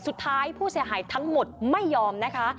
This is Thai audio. สุดท้ายผู้เสียหายทั้งหมดไม่ยอมนะคะ